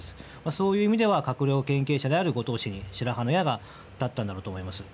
そういう意味では閣僚経験者である後藤氏に白羽の矢が立ったんだろうと思います。